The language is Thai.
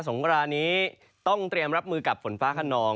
งกรานนี้ต้องเตรียมรับมือกับฝนฟ้าขนอง